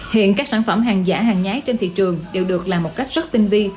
hiện các sản phẩm hàng giả hàng nhái trên thị trường đều được làm một cách rất tinh vi